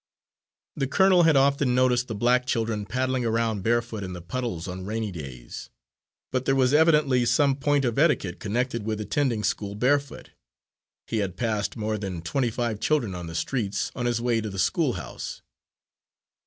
The colonel had often noticed the black children paddling around barefoot in the puddles on rainy days, but there was evidently some point of etiquette connected with attending school barefoot. He had passed more than twenty five children on the streets, on his way to the schoolhouse.